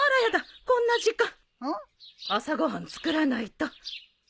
朝ご飯作らないと。